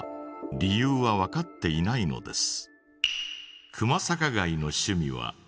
理由はわかっていないのです。